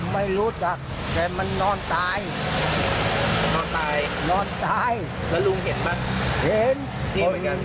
ไม่รู้จักแต่มันนอนตายมันนอนตายนอนตายแล้วลุงเห็นไหมเห็นตัวเหมือนกัน